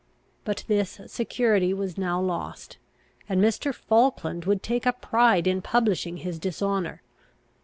But this security was now lost, and Mr. Falkland would take a pride in publishing his dishonour.